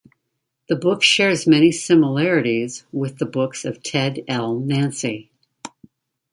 The book shares many similarities with the books of Ted L. Nancy.